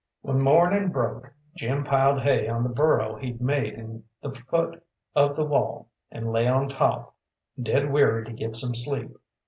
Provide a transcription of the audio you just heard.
When morning broke Jim piled hay on the burrow he'd made in the foot of the wall, and lay on top, dead weary to get some sleep.